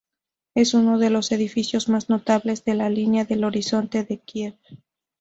Es uno de los edificios más notables de la línea del horizonte de Kiev.